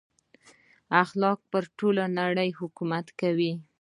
اخلاق پر ټوله نړۍ حکومت کوي.